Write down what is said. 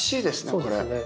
これ。